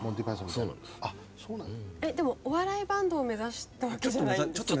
でもお笑いバンドを目指したわけじゃない。